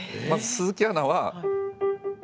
まずは鈴木アナ